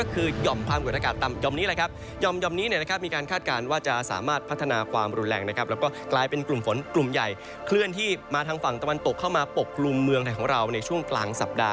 กลายเป็นกลุ่มฝนกลุ่มใหญ่เคลื่อนที่มาทางฝั่งตะวันตกเข้ามาปกกลุ่มเมืองของเราในช่วงกลางสัปดาห์